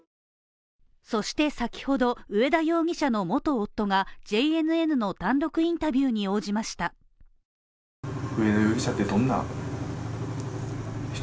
そして、先ほど、上田容疑者の元夫がＪＮＮの単独インタビューに応じました。